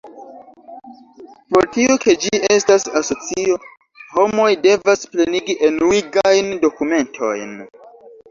Pro tio ke ĝi estas asocio, homoj devas plenigi enuigajn dokumentojn.